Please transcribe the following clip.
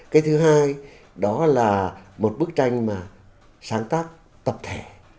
cái thứ hai đó là một bức tranh mà sáng tác tập thể